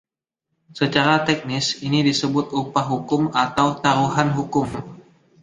Secara teknis ini disebut “upah hukum” atau “taruhan hukum”.